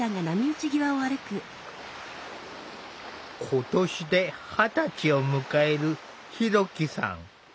今年で二十歳を迎えるひろきさん。